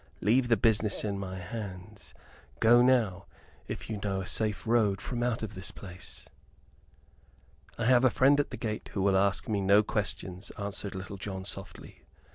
"Leave the business in my hands. Go now, if you know a safe road from out of this place." "I have a friend at the gate who will ask me no questions," answered Little John, softly.